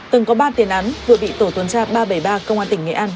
từng có ba tiền án vừa bị tổ tuần tra ba trăm bảy mươi ba công an tỉnh nghệ an